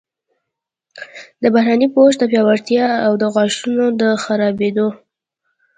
د بهرني پوښ د پیاوړتیا او د غاښونو د خرابیدو